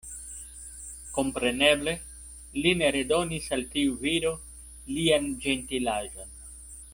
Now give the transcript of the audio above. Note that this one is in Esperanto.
Kompreneble li ne redonis al tiu viro lian ĝentilaĵon.